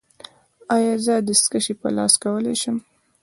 ایا زه دستکشې په لاس کولی شم؟